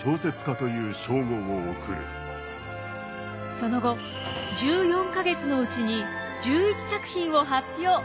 その後１４か月のうちに１１作品を発表。